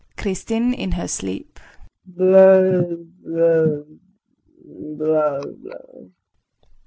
KRISTIN. [In her sleep].